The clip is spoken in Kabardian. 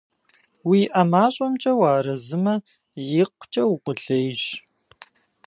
УиӀэ мащӀэмкӀэ уарэзымэ, икъукӀэ укъулейщ.